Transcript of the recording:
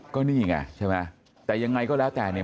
ก็นี่ไงใช่ไหมแต่ยังไงก็แล้วแต่เนี่ย